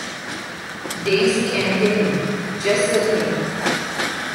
Daisy and Demi, — just the thing!